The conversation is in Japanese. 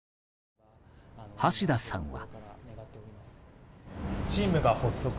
橋田さんは。